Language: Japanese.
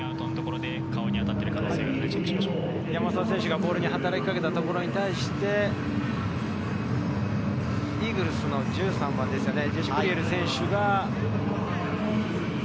山沢選手がボールに働きかけたところで、イーグルスの１３番ですね。